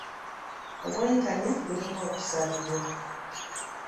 Obwenkanya bulina okusabibwa.